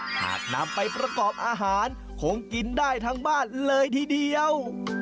หากนำไปประกอบอาหารคงกินได้ทั้งบ้านเลยทีเดียว